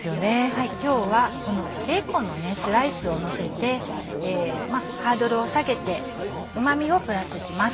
今日はベーコンのスライスをのせてハードルを下げてうま味をプラスします。